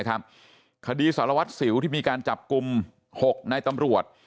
นี่คดีดังนะครับคดีสารวัตรสิวที่มีการจับกลุ่ม๖ในตำรวจ